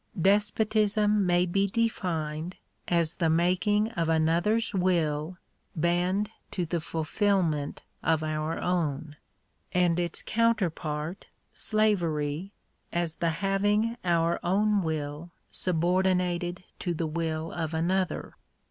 Despotism may be defined as the making of another's will bend to the fulfilment of our own : and its counterpart — slavery — as the having our own will subordinated to the will of another.